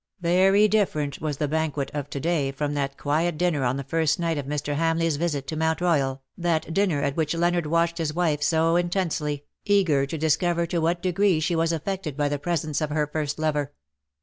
Very different was the banquet of to day from that quiet dinner on the first night of ^Ir. HamlcigVs visit to Mount Royal, that dinner at which Leonard watched his wife so intensely, eager 118 to discover to what degree she was affected by the presence of her first lover.